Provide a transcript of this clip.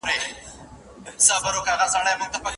سپوږمۍ کې هم شته توسيرې، راته راوبهيدې